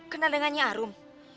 kenal dengan nyi arum